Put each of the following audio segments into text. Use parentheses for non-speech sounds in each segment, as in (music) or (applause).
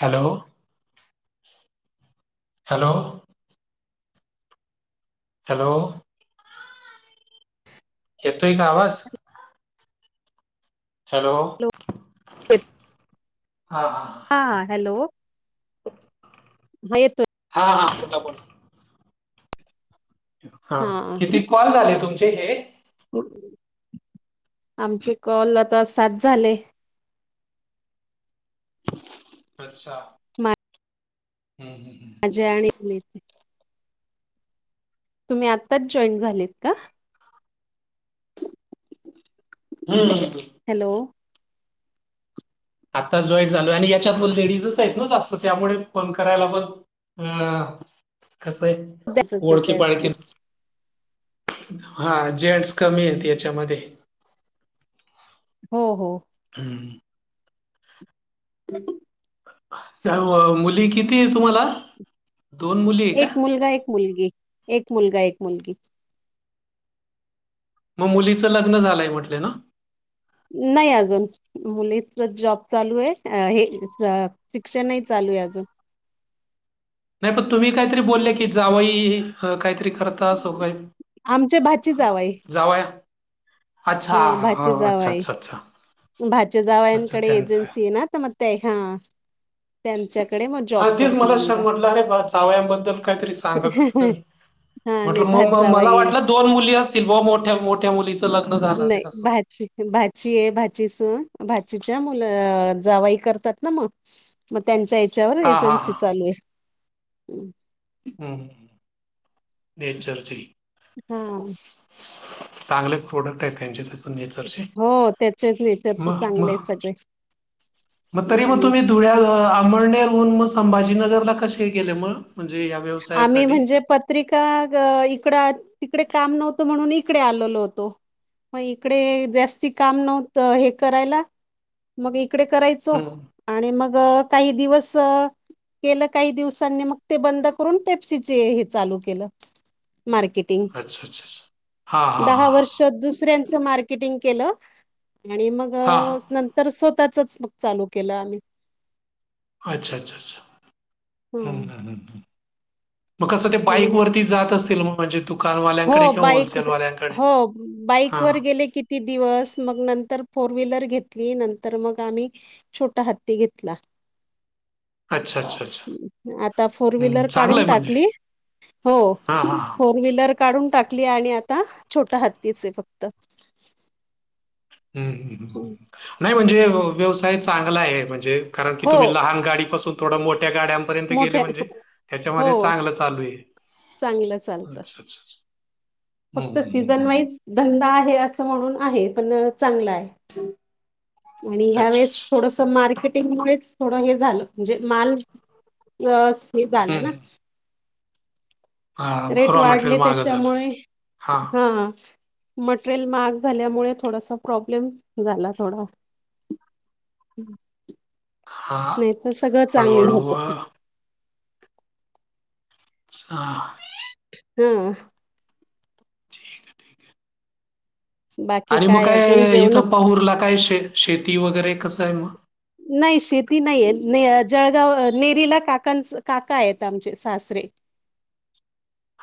Hello hello. Hello. (inaudible) येतोय का आवाज. हॅलो. हा हा हां हॅलो. हयेतो. हा हा बोला बोल. हा किती कॉल झाले तुमचे हे आमचे कॉल आता सात झाले अच्छा हम्म जया आणि तुम्ही. तुम्ही आत्ताच जॉईन झालेत का (unintelligible) (unintelligible) हॅलो आत्ता जॉईंट झालो आणि याच्यात लेडीजच आहेत. ना जास्त त्यामुळे फोन करायला. पण हा कस आहे. ओळखी पाळखी असतील हा जेंट्स कमी आहेत. याच्यामध्ये (unintelligible) हो हो हम्म (unintelligible) सर्व मुली किती आहे. तुम्हाला दोन मुली आहे का? एक मुलगा एक मुलगी - एक मुलगा एक मुलगी मग मुलीचं लग्न झालंय म्हटलं. ना नाही. अजून मुलीच जॉब चालू आहे. हे शिक्षणही चालू आहे. अजून नाही पण तुम्ही काहीतरी बोलले की जावही काहीतरी करत. (unintelligible) आमचे भाची जावई हा भाची जावाय अच्छा अच्छा भाचे जावईन अच्छा कडे त्यांचं एजन्सी आहे. ना तर मग ते हा त्यांच्याकडे मग जॉब करतो. मुला तर म्हटलं अरे, जावईन बद्दल काहीतरी सांगत होत. हा नाही भात जावाई नाही (inaudible) भाची भाची आहे भाचीस भाचीच्या मुलं जावाई करतात. ना मग मग त्यांच्या याच्यावर हा हा हा एजन्सी चालू आहे. हम्म हा चांगले प्रोडक्ट आहेत. त्यांचे त्याच नेचरचे हो त्याचेच नेचर म चांगले म आहेत सगळे मग तरी मग हम्म. तुम्ही धुळ्या आमळनेरहून मग संभाजीनगरला कसे गेले. मग म्हणजे या व्यवसायासाठी त्रिका इकड तिकडे काम नव्हतं म्हणून इकडे आलेलो होतो. मग इकडे जास्ती काम नव्हत हे, करायला मग इकडे करायच. असो हम्म आणि मग काही दिवस करून पेप्सीचे हे चालू केलं. मार्केटिंग अच्छा अच्छा हा हा दहा वर्ष हा दुसऱ्यांचं मार्केटिंग केलं. आणि मग हा हा नंतर तर स्वतःचच मग चालू केलं. आम्ही अच्छा अच्छा हा अच्छा् हम्म्म मगसं ते बाईक म्हणून वर ती जात असेल मजेत दुकान वाले हो बाईक हो बाईक वर हां. गेले. किती ती दिवस मग नंतर फोर व्हीलर घेतली. नंतर मग आम्ही छोटा हत्ती घेतला. (unintelligible) अच्छा, अच्छा. आता फोर हं, व्हीलर चांगलं काढून आहे म्हणजे. टाकली? हो हां, हां, हां. फोर व्हील काडून टाकली आणि आता छोटा हत्तीचं ये फक्त. हम् हम (unintelligible) नाही म्हणजे, व्यवसाय चांगला आहे. म्हणजे कारण की हो तुम्ही लहान गाडीपासून थोडं मोठ्या गाड्या इथपर्यंत गेले मोठ्या म्हणजे हो त्याच्यामध्ये चांगलं चालू आहे. चांगलं चालतं हं, फक्त हं, हं, सीझन हं. वाईज धंदा आहे असं म्हणून आहे पण चांगला आहे. आणि अच्छा, ह्या वेळेस अच्छा, अच्छा. थोडसं मार्केटिंग मुळेच थोडं हे झालं म्हणजे माल हे हं, झालं ना हं. हां, रेट रॉ मटेरियल वाढले महागं झालं त्याच्यामुळे असेल. हां, हा मटरेल महाग झाल्यामुळे थोडासा प्रॉब्लेम झाला थोडा हां. नाही तर सगळ चांगल हळू-हळू होत. अ, हा हा. ह हा. ठीक. बाकी आणि मग अजून काय, जेवण इथं पाहूरला काय शे शेती वगैरे कस आहे मग नाही शेती नाहीय जळगाव नेरीला काका आहेत आमचे सासरे (unintelligible)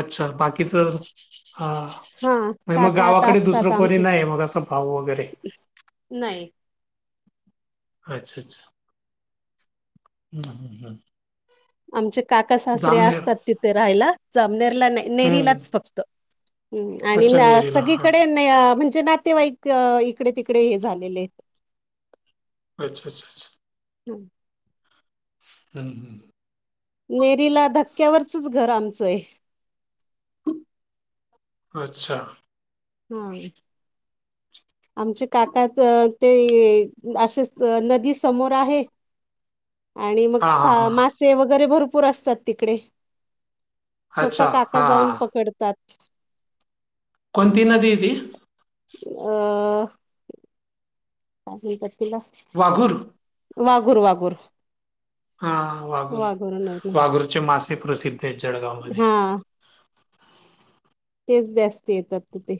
अच्छा बाकीच हा. हा आणि मग काका आता गावाकडे दुसरं असतात कोणी आमचे नाही मग असं भाऊ वगैरे नाही. अच्छा अच्छा. आमचे काका सासरे जामनेर असतात तिथे राहायला जमनेरला नाही नेरीलाच हम्म फक्त हम् आणि अच्छा नेरीला हां. सगळीकडे म्हणजे नातेवाईक इकडे तिकडे हे झालेले. अच्छाअच्छा अच्छा. हम्. हम् हम्. नेरीला धक्क्यावरचच घर आमचंय. अच्छा. हा. आमचे काका ते असेच नदी समोर आहे. (unintelligible) आणि मग हां हां सा हां हां. मासे वगैरे भरपूर असतात तिकडे. स्वतः अच्छा काका हां जाऊन हां. पकडतात. कोणती नदी आहे ती. आ. आहे का तिपीला. वागुर. वागूर वागूर. हा वाघुर नाही नाही. वाघुरचे मासे प्रसिद्ध आहेत जळगाव मध्ये हा तेच जास्त येतात तिथे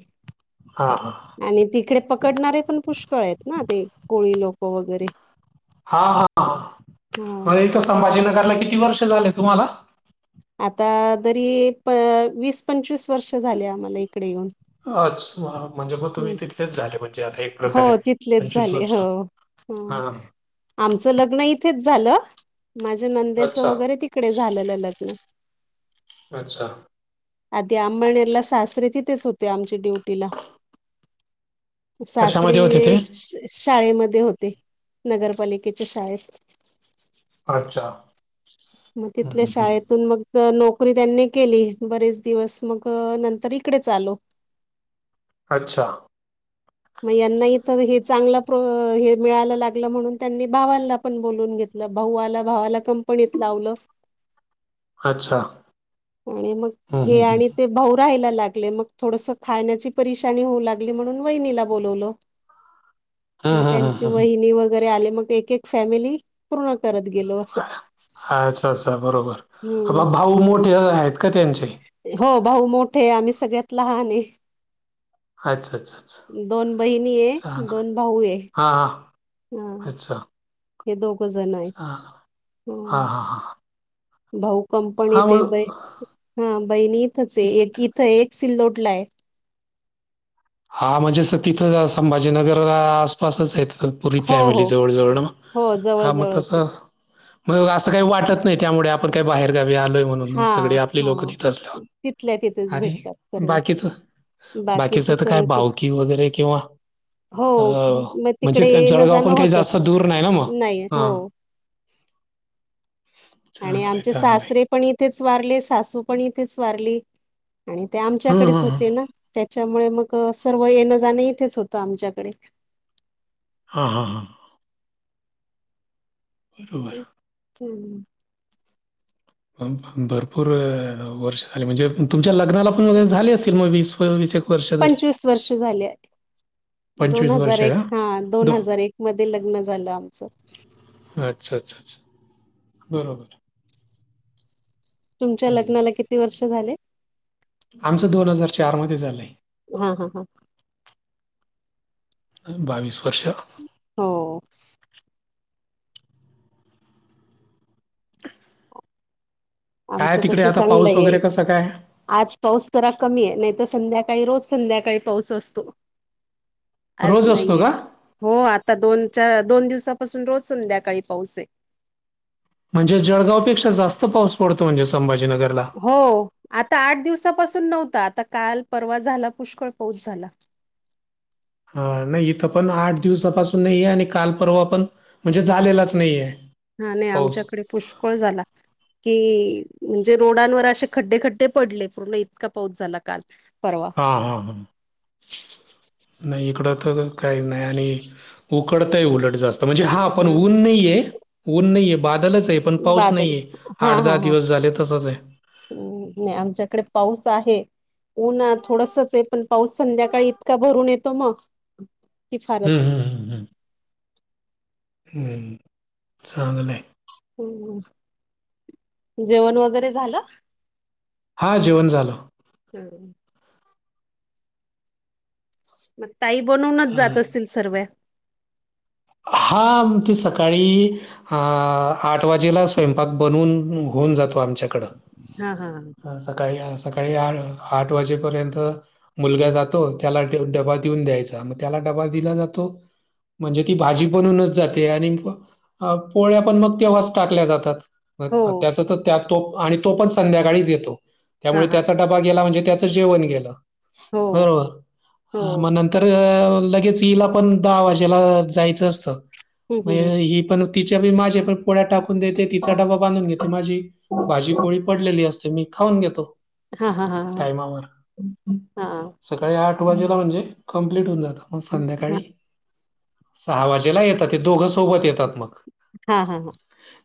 हा हा. आणि तिकडे पकडणारे पण पुष्कळ आहेत ना ते कोळी लोक वगैरे. हा हा इथे संभाजीनगरला किती वर्ष झाले तुम्हाला आता तरी वीस पंचवीस वर्ष झाले आम्हाला इकडे येऊन. अच्छा म्हणजे मग हं. तुम्ही तिथलेच झाले म्हणजे आता एक हो प्रकारे. तिथलेच पंचवीस झाले वर्ष हो. हां. आमचं लग्न इथेच झालं माझ्या नंदेचं अच्छा, वगैरे तिकडे झालेलं लग्न. अच्छा. आधी अंबळनेर सासरे तिथेच होते आमचे ड्युटीला. कशामध्ये होते ते? सासरे शाळेमध्ये होते नगरपालिकेच्या शाळेत. अच्छा. मग हं, तिथल्या हं, हं. शाळेतून मग तर नोकरी त्यांनी केली बरेच दिवस मग नंतर इकडेच आलो. अच्छा मग यांनाही तर हे चांगलं मिळायला लागलं म्हणून त्यांनी भावांना पण बोलून घेतलं. भाऊ आला भावाला कंपनीत लावलं. (inaudible) अच्छा. आणि मग हं, हे हं, हं. आणि ते भाऊ राहायला लागले मग थोडस खाण्याची परेशानी होऊ लागली म्हणून वहिला बोलवलं हं, मग हं, हं, त्यांची हं, हं. वहिनी वगैरे आले मग एक एक फॅमिली पूर्ण करत गेले. अच्छा अच्छा हम्म बरोबर भाऊ मोठे आहेत का त्यांचे. हो भाऊ मोठे आम्ही सगळ्यात लहान. अच्छा अच्छा अच्छा. दोन बहिणी ये चांगलं आहे. दोन भाऊ ये हां, हां. हा. अच्छा. हे दोघजन आहेत. चांगलं. हां, हां, हां. भाऊ कंपनी हां, ते ब मग हा बहिणी इथच एक इथं एक सिल्लोटला आहे. हा म्हणजे अस तिथं संभाजीनगर आसपासच आहेत. पुरी हो फॅमिली हो जवळ जवळ हो जवळ हा मग जवळच आहे तसं होय असं काही वाटत नाही त्यामुळे आपण काही बाहेर गावी आलोय म्हणून हा सगळी आपली लोक हा तिथं तिथल्या असल्यावर तिथेच आणि भेटतात सर्वे बाकीच. बाकीच काय सर्व ते- भावकी वगैरे किंवा. हो अ मग म्हणजे तिकडे येणं तेंच्यागाव जाणं पण काही जास्त होतच दूर नाही ना मग नाही हो हा. आणि चांगलंय आमचे चांगलंय सासरे पण इथेच वारले सासू पण इथेच वारली. आणि ते हम्म हम्म आमच्याकडेच हम्म. होते ना त्याच्यामुळे मग सर्व येणं जाणं इथेच होतं आमच्याकडे. हां हां हां. बरोबर. हम्म. भरपूर वर्ष झाली म्हणजे तुमच्या लग्नाला पण झाले असतील मग वीस वर्ष तरी पंचवीस वर्ष झाले. दोन पंचवीस हजार वर्ष एक का हा दोन दो हजार एक मध्ये लग्न झालं आमचं. अच्छा अच्छा अच्छा बरोबर. तुमच्या हम्म. लग्नाला किती वर्ष झाले. आमचं दोन हजार चार मध्ये झालंय. हा हा हा. बावीस वर्ष. हो. (inaudible) काय आमचं तस तिकडे आता चांगलं पाऊस आहे. वगैरे कसा काय आज पाऊस जरा कमी आहे नाहीतर संध्याकाळी रोज संध्याकाळी पाऊस असतो. आज रोज असतो नाहीये का हो आता दोन चार दोन दिवसापासून रोज संध्याकाळी पाऊस आहे. म्हणजे जळगावपेक्षा जास्त पाऊस पडतो म्हणजे संभाजीनगरला. हो आता आठ दिवसापासून नव्हता आता काल परवा झाला पुष्कळ पाऊस झाला. हा नाही इथं पण आठ दिवसापासून नाही आहेे आणि काल परवा पण म्हणजे झालेलाच नाहीेये. हा नाही आमच्याकडे पुष्कळ झाला. कि म्हणजे रोडांवर असे खड्डे खड्डे पडले पूर्ण इतका पाऊस झाला काल. परवा हां हां हां नाही इकडं तर काही नाही आणि उकडतय उलट जास्त. म्हणजे हा पण ऊन नाहीये ऊन नाहीये बादलच आहे. पण पाऊस बादल नाहीये आठ दहा दिवस झाले तसच आहे. हम् नाही आमच्याकडे पाऊस आहे. ऊन ना थोडसच आहे पण पाऊस संध्याकाळी इतका भरून येतो मग की हम्म फारच हम्म हम् हम् ह् चांगलंय ह जेवण वगैरे झालं हा जेवण झालं (unintelligible) ताई बनूनच अं, जात असतील सर्वे हा आमची सकाळी अ आठ वाजेला स्वयंपाक बनवून होऊन जातो आमच्याकडं हा हा हा सकाळी सकाळी आठ आठ वाजेपर्यंत मुलगा जातो त्याला डबा देऊन द्यायचा म त्याला डबा दिला जातो म्हणजे. ती भाजी बनूनच जाते. आणि पोळ्या पण मग तेव्हाच टाकल्या जातात. हो त्याच तर त्या तो आणि तो पण संध्याकाळीच येतो हा त्यामुळे हा त्याचा डबा गेला म्हणजे त्याचं जेवण गेलं हो हो हा मग नंतर तर लगेच हिला पण दहा वाजेला जायचं असतं हम्म हम्म हम्म म्हणजे ही पण तिच्या बी माझ्या पण पोळ्या टाकून देते तिचा डबा बांधून घेते माझी भाजी पोळी पडलेली असते मी खाऊन घेतो. हा हा हा टायमावर हा सकाळी आठ वाजेला म्हणजे. कंप्लीट होऊ जात मग हा संध्याकाळी. सहा वाजेला येतात ते दोघं सोबत येतात मग हा हा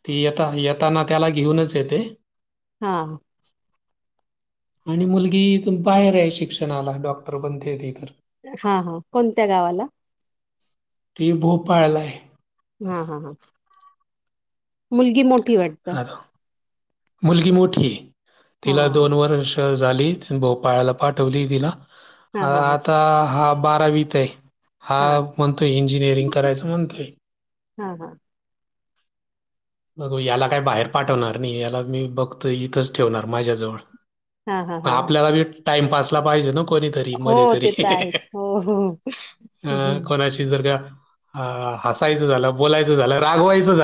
ती येता येताना त्याला घेऊनच येते. हा आणि मुलगी बाहेर आहे शिक्षणाला डॉक्टर बनते. ती तर हा हा कोणत्या गावाला? ते भोपाळला आहे. हा हा हा मुलगी मोठी वाटत. आ मुलगी मोठी आहे हा तिला दोन वर्ष. झाली भोपाळला पाठवली हा हा हा आता हा बारावी हा म्हणतोय इंजिनिअरिंग करायच म्हणतोय. हा हा बघूया, याला काय बाहेर पाठवणार नाही. याला मी बघतो इथंच ठेवणार माझ्याजवळ हा हा मग हा आपल्याला बी टाइम पाासला पाहिजे ना कोणीतरी मध्ये हो तरी ते तर आहेच हो हो अ हम्म. कोणाशी जर का हसायचं झालं बोलायचं झालं रागवायचं झालं